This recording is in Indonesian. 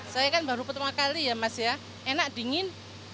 saya kan baru pertama kali ya mas ya enak dingin